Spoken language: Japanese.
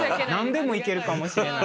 何でもいけるかもしれない。